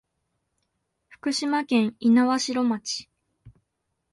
福島県猪苗代町